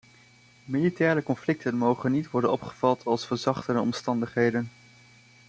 Militaire conflicten mogen niet worden opgevat als verzachtende omstandigheden.